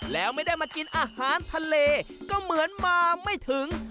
แล้วไม่ได้มากินอาหารทะเลก็เหมือนมาไม่ถึง